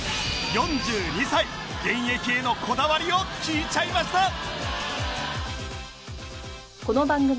４２歳現役へのこだわりを聞いちゃいました！